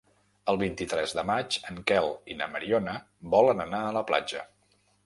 El vint-i-tres de maig en Quel i na Mariona volen anar a la platja.